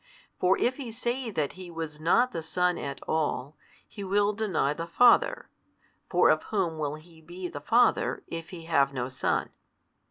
For if he say that He was not the Son at all, he will deny the Father (for of whom will He be the Father, if He have no Son?)